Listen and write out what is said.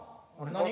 何？